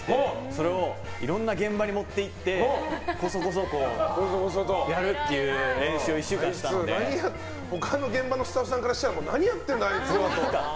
それをいろんな現場に持っていってこそこそとやるっていう練習を他の現場のスタッフさんからしたら何やっているんだあいつは？みたいな。